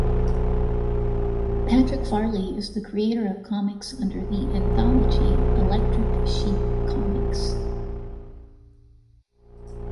Patrick Farley is the creator of comics under the anthology "Electric Sheep Comix".